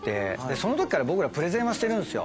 その時から僕らプレゼンはしてるんですよ。